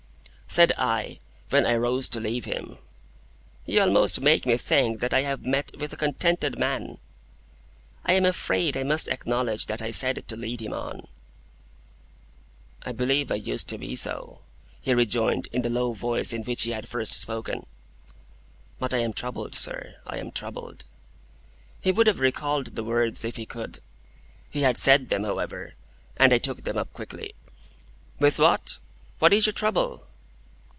Said I, when I rose to leave him, "You almost make me think that I have met with a contented man." (I am afraid I must acknowledge that I said it to lead him on.) "I believe I used to be so," he rejoined, in the low voice in which he had first spoken; "but I am troubled, sir, I am troubled." He would have recalled the words if he could. He had said them, however, and I took them up quickly. "With what? What is your trouble?"